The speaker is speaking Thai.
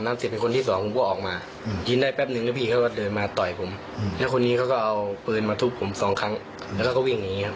ไม่ครับไม่เคยครับ